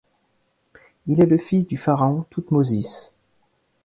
Il est le fils du pharaon Thoutmôsis.